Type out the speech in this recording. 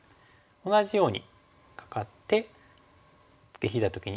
同じようにカカってツケ引いた時にここで。